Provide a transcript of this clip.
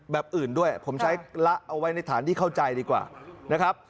แบบอื่นด้วยผมใช้ละเอาไว้ในฐานที่เข้าใจดีกว่านะครับ